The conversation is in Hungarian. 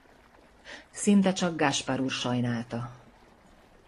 Szinte csak Gaspar úr sajnálta.